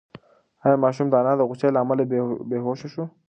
ایا ماشوم د انا د غوسې له امله بېهوښه شو؟